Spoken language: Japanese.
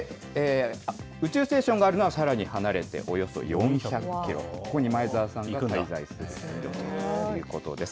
宇宙ステーションがあるのは、さらに離れておよそ４００キロ、ここに前澤さんが滞在するということです。